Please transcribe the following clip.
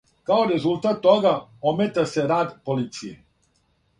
Као резултат тога омета се рад полиције.